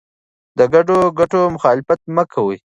د ګډو ګټو مخالفت مه کوه.